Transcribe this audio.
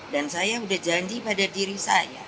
dan saya udah janji pada diri saya